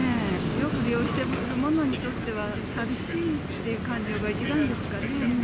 よく利用してる者にとっては、寂しいっていう感情が一番ですか